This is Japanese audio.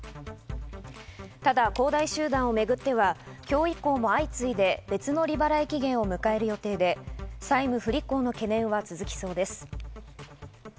ただ恒大集団をめぐっては今日以降も相次いで別の利払い期限を迎える予定で、債務不履行の懸念は続きそうです。